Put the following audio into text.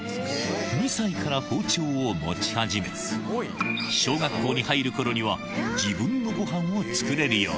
２歳から包丁を持ち始め、小学校に入るころには、自分のごはんを作れるように。